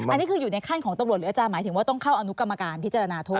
อันนี้คืออยู่ในขั้นของตำรวจหรืออาจารย์หมายถึงว่าต้องเข้าอนุกรรมการพิจารณาโทษ